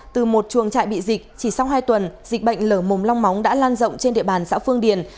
từ một chuồng trại bị dịch chỉ sau hai tuần dịch bệnh lở mồm long móng đã lan rộng trên địa bàn xã phương điền